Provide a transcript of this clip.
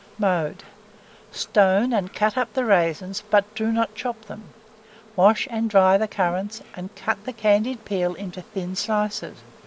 Mode. Stone and cut up the raisins, but do not chop them; wash and dry the currants, and cut the candied peel into thin slices.